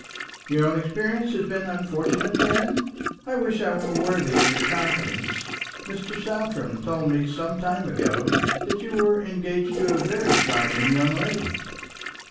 "Your own experience has been unfortunate, then? I wish I were worthy of your confidence. Mr. Saltram told me some time ago that you were engaged to a very charming young lady."